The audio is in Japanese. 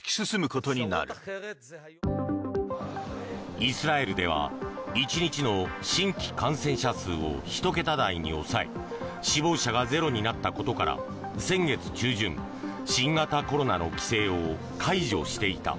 イスラエルでは１日の新規感染者数を１桁台に抑え死亡者がゼロになったことから先月中旬、新型コロナの規制を解除していた。